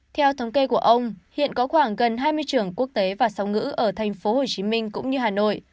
theo thống kê của ông hiện có khoảng gần hai mươi trường quốc tế và sóng ngữ ở thành phố hồ chí minh cũng như hà nội